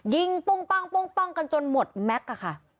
ปุ้งปั้งกันจนหมดแม็กซ์ค่ะ